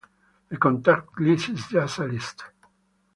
The contact list is just a list.